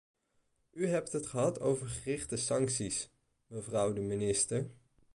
U hebt het gehad over gerichte sancties, mevrouw de minister.